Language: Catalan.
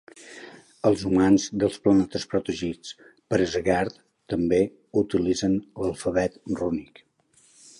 Els humans dels planetes protegits per Asgard també utilitzen l'alfabet rúnic.